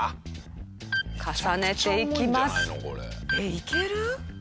いける？